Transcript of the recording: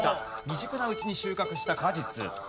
未熟なうちに収穫した果実。